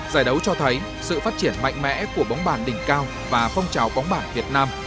giải đấu cho thấy sự phát triển mạnh mẽ của bóng bàn đỉnh cao và phong trào bóng bản việt nam